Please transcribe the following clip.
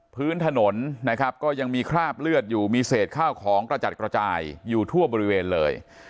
พื้นถนนนะครับก็ยังมีคราบเลือดอยู่มีเศษข้าวของกระจัดกระจายอยู่ทั่วบริเวณเลย